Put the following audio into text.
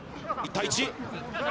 １対１。